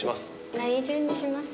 何順にします？